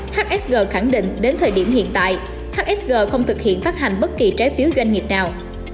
hsg khẳng định đến thời điểm hiện tại hsg không thực hiện phát hành bất kỳ trái phiếu doanh nghiệp nào